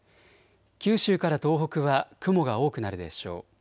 九州から東北は雲が多くなるでしょう。